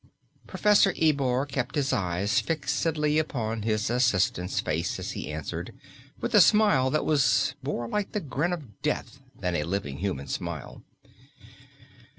Professor Ebor kept his eyes fixedly upon his assistant's face as he answered, with a smile that was more like the grin of death than a living human smile.